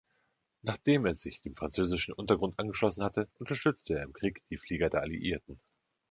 Nachdem er sich dem französischen Untergrund angeschlossen hatte, unterstützte er im Krieg die Flieger der Alliierten.